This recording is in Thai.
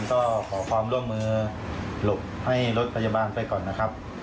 ก็ขอความร่วมมือหลบให้รถพยาบาลไปก่อนนะครับ